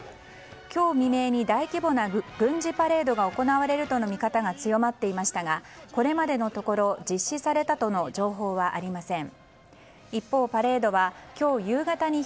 今日未明に、大規模な軍事パレードが行われるとの見方が強まっていましたがこれまでのところ実施されたとの情報はありません。